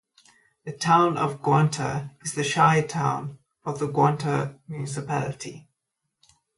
The town of Guanta is the shire town of the Guanta Municipality.